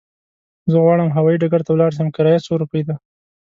زه غواړم هوايي ډګر ته ولاړ شم، کرايه څو روپی ده؟